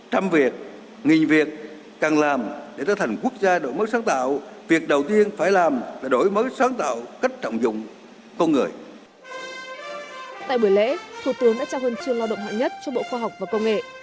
tại buổi lễ thủ tướng đã trao hân chương lao động hạng nhất cho bộ khoa học và công nghệ